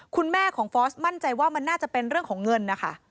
คุณแม่ของฟอสมั่นใจว่ามันน่าจะเป็นเรื่องของเงินนะคะ